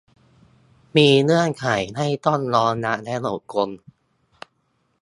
มีเงื่อนไขให้ต้องยอมรับและอดทน